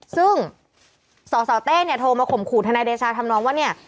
ซึ่งสสเต้เนี่ยโทรมาข่มขู่ทนายเดชาทำนองว่าเนี่ย